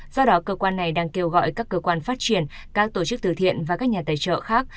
do đó cơ quan này đang kêu gọi các cơ quan phát triển các tổ chức từ thiện và các nhà tài trợ khác